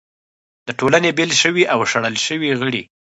د ټولنې بېل شوي او شړل شوي غړي